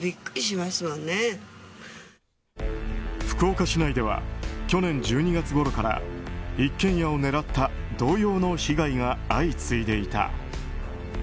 福岡市内では去年１２月ごろから一軒家を狙った同様の被害が相次いでいた。